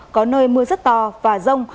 có nơi mưa rất to và rông